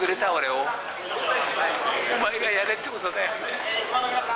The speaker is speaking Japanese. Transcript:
お前がやれってことで。